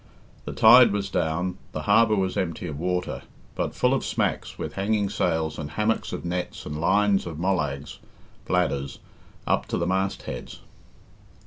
The tide was down, the harbour was empty of water, but full of smacks with hanging sails and hammocks of nets and lines of mollags (bladders) up to the mast heads.